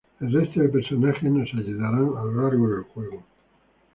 El resto de personajes nos ayudarán a lo largo del juego.